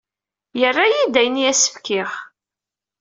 Yerra-iyi-d ayen i as-fkiɣ.